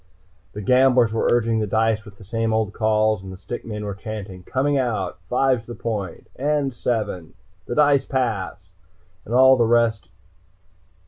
The gamblers were urging the dice with the same old calls, and the stick men were chanting: "Coming out!" "Five's the point!" "And seven! The dice pass!" and all the rest.